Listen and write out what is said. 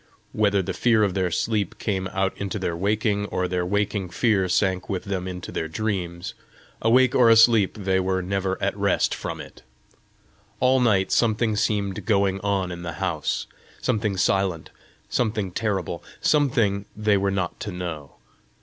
Whether the fear of their sleep came out into their waking, or their waking fear sank with them into their dreams, awake or asleep they were never at rest from it. All night something seemed going on in the house something silent, something terrible, something they were not to know.